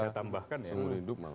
saya tambahkan ya